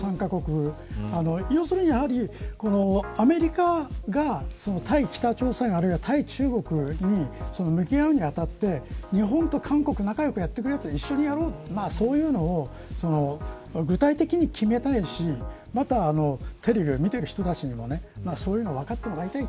要するにアメリカが対北朝鮮あるいは対中国に向き合うに当たって日本と韓国仲良くやってくれと一緒にやろうというのをそういうのを具体的に決めたいしまたテレビを見ている人たちにもそういうのを分かってもらいたい。